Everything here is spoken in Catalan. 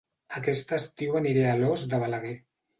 Aquest estiu aniré a Alòs de Balaguer